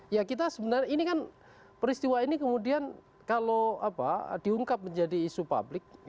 ya kita sebenarnya ini kan peristiwa ini kemudian kalau diungkap menjadi isu publik